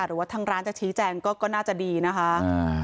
หรือว่าทางร้านจะชี้แจงก็น่าจะดีนะคะ